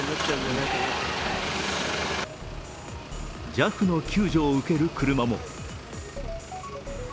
ＪＡＦの救助を受ける車も。